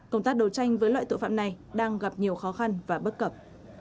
công tác đấu tranh với loại tội phạm này đang gặp nhiều khó khăn và bất cập